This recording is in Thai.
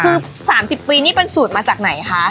คือ๓๐ปีนี่เป็นสูตรมาจากไหนคะ